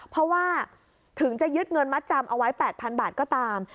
เพราะว่าถึงจะยึดเงินมัดจำเอาไว้๘๐๐๐บาทก็ตาม